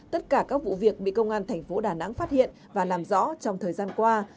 tất cả các vụ việc bị công an thành phố đà nẵng phát hiện và làm rõ trong thời gian qua